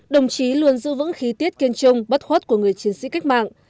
đồng chí luôn giữ vững khí tiết kiên trung bất khuất của người chiến sĩ cách mạng